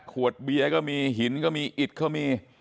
ขวดเบียร์ก็มีหินก็มีอิดก็มี